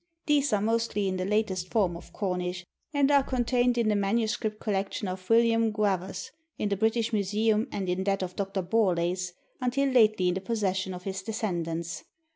These are mostly in the latest form of Cornish, and are contained in the MS. collection of William Gwavas in the British Museum and in that of Dr. Borlase, until lately in the possession of his descendants.